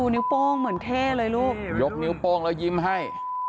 นิ้วโป้งเหมือนเท่เลยลูกยกนิ้วโป้งแล้วยิ้มให้